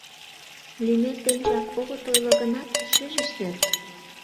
Лӱмет денжак огыт ойло гынат, шижыч дыр?